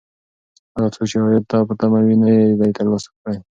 هغه څوک چې عاید ته په تمه و، نه یې دی ترلاسه کړی.